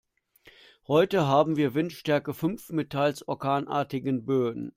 Heute haben wir Windstärke fünf mit teils orkanartigen Böen.